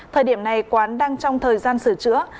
thời điểm này quán đang trong thời gian sửa chữa